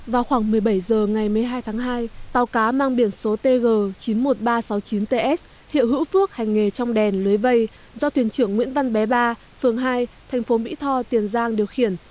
vào khoảng một mươi bảy h ngày một mươi hai tháng hai tàu cá mang biển số tg chín mươi một nghìn ba trăm sáu mươi chín ts hiệu hữu phước hành nghề trong đèn lưới vây do thuyền trưởng nguyễn văn bé ba phường hai thành phố mỹ tho tiền giang điều khiển